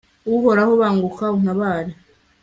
uhoraho, banguka untabare